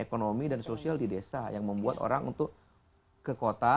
ekonomi dan sosial di desa yang membuat orang untuk ke kota